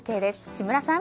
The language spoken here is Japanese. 木村さん。